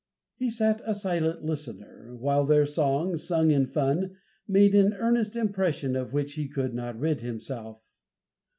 He sat a silent listener, while their song, sung in fun, made an earnest impression of which he could not rid himself.